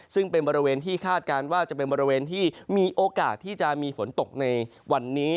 ซึ่งเป็นบริเวณที่คาดการณ์ว่าจะเป็นบริเวณที่มีโอกาสที่จะมีฝนตกในวันนี้